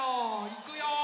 いくよ。